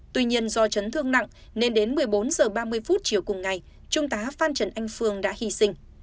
tuy nhiên do chấn thương nặng nên đến một mươi bốn h ba mươi chiều cùng ngày trung tá phan trần anh phương đã hy sinh